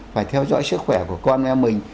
phải theo dõi sức khỏe của con em mình